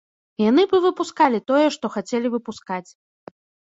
Яны б і выпускалі тое, што хацелі выпускаць.